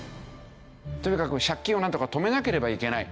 とにかく借金をなんとか止めなければいけない。